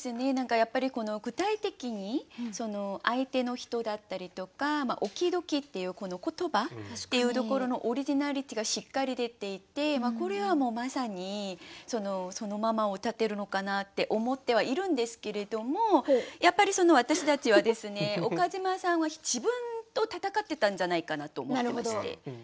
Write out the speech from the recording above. やっぱり具体的に相手の人だったりとか「Ｏｋｅｙ‐Ｄｏｋｅｙ」っていうこの言葉っていうところのオリジナリティーがしっかり出ていてこれはまさにそのままをうたっているのかなって思ってはいるんですけれどもやっぱりその私たちはですね岡島さんは自分と闘ってたんじゃないかなと思ってまして。